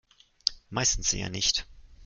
Meistens eher nicht.